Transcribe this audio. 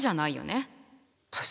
確かに。